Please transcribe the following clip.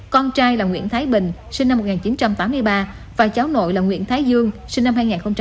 con trai là nguyễn thái bình sinh năm một nghìn chín trăm tám mươi ba và cháu nội là nguyễn thái dương sinh năm hai nghìn một mươi một